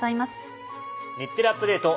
『日テレアップＤａｔｅ！』